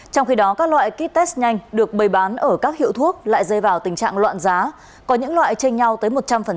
trong khi đó các loại kit test nhanh được bày bán ở các hiệu thuốc lại rơi vào tình trạng loạn giá có những loại chênh nhau tới một trăm linh